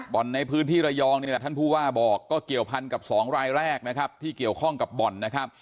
ในพื้นที่ระยองนี่แหละท่านผู้ว่าบอกก็เกี่ยวพันกับสองรายแรกนะครับที่เกี่ยวข้องกับบ่อนนะครับ